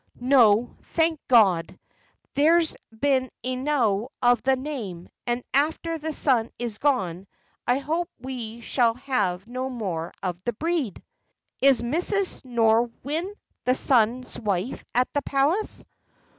"No, thank God! There's been enow of the name; and after the son is gone, I hope we shall have no more of the breed." "Is Mrs. Norwynne, the son's wife, at the palace?"